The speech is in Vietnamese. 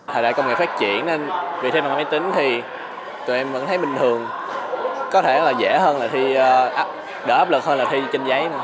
hồi đại công nghệ phát triển nên vì thêm một máy tính thì tụi em vẫn thấy bình thường có thể dễ hơn là thi đỡ áp lực hơn là thi trên giấy